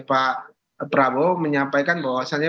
pak prabowo menyampaikan bahwasannya